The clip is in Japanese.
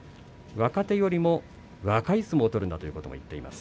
若手よりも若い相撲を取るんだということも言っています。